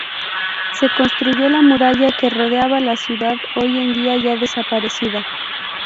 Se construyó la muralla que rodeaba la ciudad, hoy en día ya desaparecida.